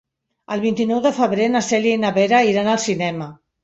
El vint-i-nou de febrer na Cèlia i na Vera iran al cinema.